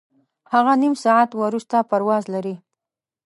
هغه نیم ساعت وروسته پرواز لري.